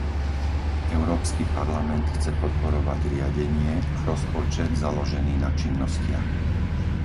Európsky parlament chce podporovať riadenie a rozpočet založený na činnostiach.